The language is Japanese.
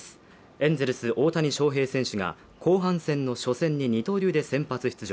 エンゼルス・大谷翔平選手が後半戦の初戦に二刀流で先発出場。